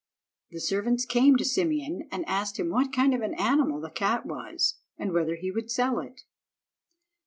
The servants came to Simeon, and asked him what kind of animal the cat was, and whether he would sell it.